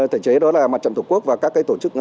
thể chế đó là mặt trận tổ quốc và các tổ chức